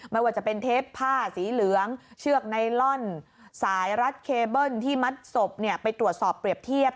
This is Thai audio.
ไม่ว่าจะเป็นเทปผ้าสีเหลืองเชือกไนลอนสายรัดเคเบิ้ลที่มัดศพไปตรวจสอบเปรียบเทียบ